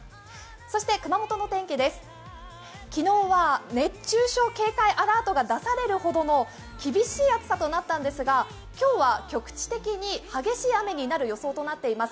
そして熊本の天気です、昨日は熱中症警戒アラートが出されるほどの厳しい暑さとなったんですが、今日は局地的に激しい雨になる予想となっています。